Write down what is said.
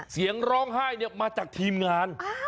เสียงร้องไห้มาจากทีมงาน